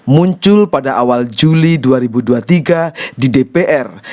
muncul pada awal juli dua ribu dua puluh tiga di dpr